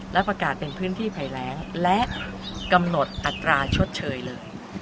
และประกาศเป็นพื้นที่ภัยแรงและกำหนดอัตราชดเชยเลย